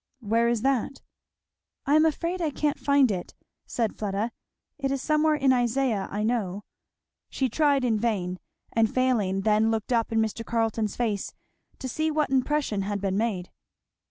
'" "Where is that?" "I am afraid I can't find it," said Fleda, "it is somewhere in Isaiah, I know" She tried in vain; and failing, then looked up in Mr. Carleton's face to see what impression had been made.